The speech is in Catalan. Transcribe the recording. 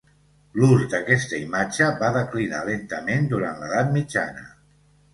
L'ús d'aquesta imatge va declinar lentament durant l'edat mitjana.